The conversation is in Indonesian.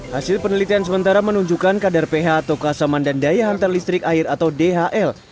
hasil penelitian sementara menunjukkan kadar ph atau keasaman dan daya hantar listrik air atau dhl